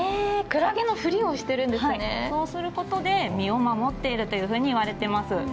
そうすることで身を守っているというふうにいわれてます。